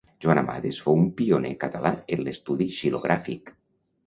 Joan Amades fou un pioner català en l'estudi xilogràfic.